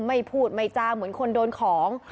ไม่พูดไม่จาเหมือนคนโดนของ